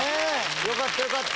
よかったよかった。